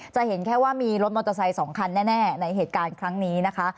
จะเห็นแค่ว่ามีรถมอเตอร์ไซค์๒คันแน่ในเหตุการณ์ครั้งนี้นะคะ